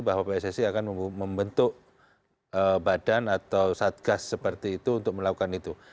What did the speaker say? bahwa pssi akan membentuk badan atau satgas seperti itu untuk melakukan itu